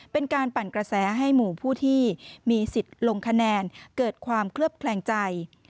เป็นการปั่นกระแสให้หมู่ผู้ที่มีสิทธิ์ลงคะแนนเกิดความเคลือบแคลงใจ